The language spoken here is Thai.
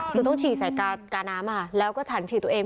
คือต้องฉี่ใส่กาน้ำแล้วก็ฉันฉี่ตัวเอง